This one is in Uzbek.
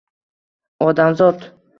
Odamzod?